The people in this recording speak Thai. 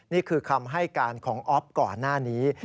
นี่คือคำให้การของอ๊อฟก่อนหน้านี้